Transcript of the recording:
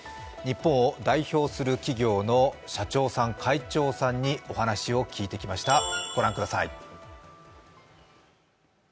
日本を代表する企業の社長さん、会長さんにお話を聞いてきました。